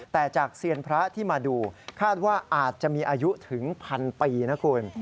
แต่จากเซียนพระที่มาดูคาดว่าอาจจะมีอายุถึงพันปีนะคุณ